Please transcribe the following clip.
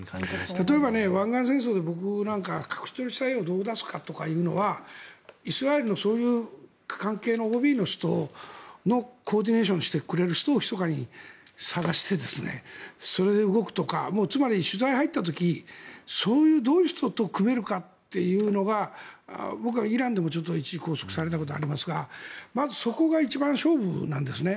例えば、湾岸戦争でミサイルをどう出すかということなどはイスラエルのそういう関係のＯＢの人のコーディネーションしてくれる人をひそかに探して、それで動くとかつまり取材に入った時そういうどういう人と組めるかというのが僕はイランでも一時拘束されたことがありますがそこが一番勝負なんですね。